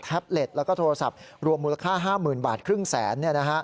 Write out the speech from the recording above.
เล็ตแล้วก็โทรศัพท์รวมมูลค่า๕๐๐๐บาทครึ่งแสน